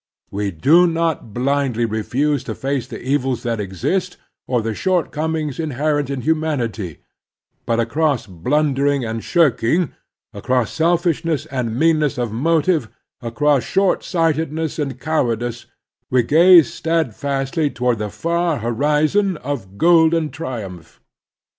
We do not blindly refuse to face the evils that exist, or the short comings inherent in htimanity; but across bltm dering and shirking, across selfishness and mean ness of motive, across short sightedness and cow ardice, we gaze steadfastly toward the far horizon of golden triximph.